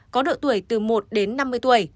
có độ tuổi từ một đến năm mươi tuổi